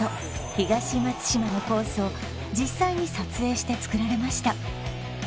東松島のコースを実際に撮影して作られました